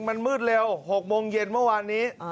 มันมืดเร็ว๖โมงเย็นเมื่อวานนี้